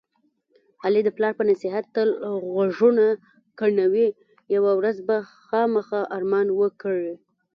علي د پلار په نصیحت تل غوږونه کڼوي. یوه ورځ به خوامخا ارمان وکړي.